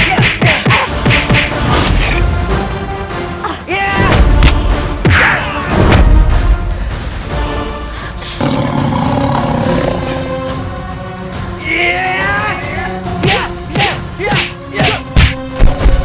aku tidak bisa mengendalikan jurusku